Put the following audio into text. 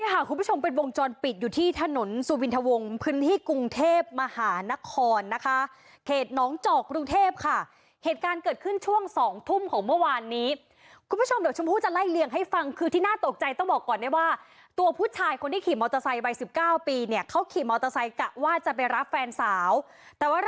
คุณผู้ชมเป็นวงจรปิดอยู่ที่ถนนสุวินทวงพื้นที่กรุงเทพมหานครนะคะเขตน้องจอกกรุงเทพค่ะเหตุการณ์เกิดขึ้นช่วงสองทุ่มของเมื่อวานนี้คุณผู้ชมเดี๋ยวชมพู่จะไล่เลี่ยงให้ฟังคือที่น่าตกใจต้องบอกก่อนได้ว่าตัวผู้ชายคนที่ขี่มอเตอร์ไซค์วัย๑๙ปีเนี่ยเขาขี่มอเตอร์ไซค์กะว่าจะไปรับแฟนสาวแต่ว่าร